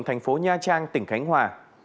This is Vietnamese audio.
thành phố nha trang tỉnh khánh hòa